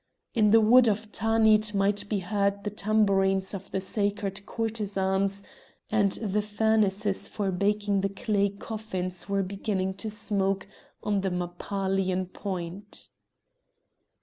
In the wood of Tanith might be heard the tabourines of the sacred courtesans, and the furnaces for baking the clay coffins were beginning to smoke on the Mappalian point.